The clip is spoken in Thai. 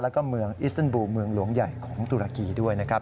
แล้วก็เมืองอิสเตอร์บูเมืองหลวงใหญ่ของตุรกีด้วยนะครับ